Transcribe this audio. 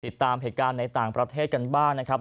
ติดตามเหตุการณ์ในต่างประเทศกันบ้างนะครับ